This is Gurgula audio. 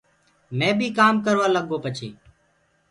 مي بيٚ ڪآم ڪروآ لگ گو پڇي